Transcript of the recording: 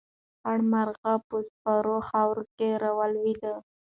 خړه مرغۍ په سپېرو خاورو کې راولوېده.